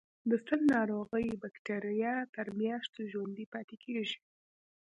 د سل ناروغۍ بکټریا تر میاشتو ژوندي پاتې کیږي.